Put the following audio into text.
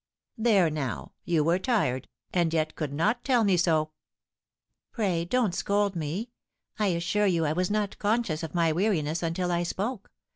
"There now you were tired, and yet could not tell me so!" "Pray don't scold me; I assure you I was not conscious of my weariness until I spoke.